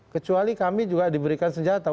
kecuali kami juga diberikan senjata